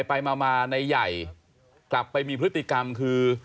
ไปมาในใหญ่กลับไปมีพฤติกรรมคือ